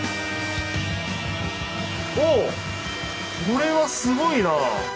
これはすごいな。